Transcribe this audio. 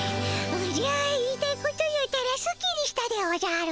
おじゃ言いたいこと言うたらすっきりしたでおじゃる。